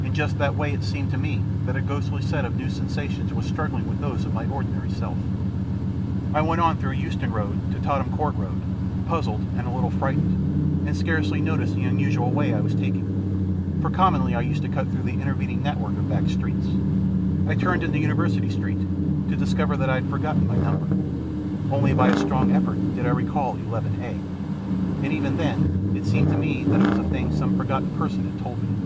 In just that way it seemed to me that a ghostly set of new sensations was struggling with those of my ordinary self. I went on through Euston Road to Tottenham Court Road, puzzled, and a little frightened, and scarcely noticed the unusual way I was taking, for commonly I used to cut through the intervening network of back streets. I turned into University Street, to discover that I had forgotten my number. Only by a strong effort did I recall IIA, and even then it seemed to me that it was a thing some forgotten person had told me.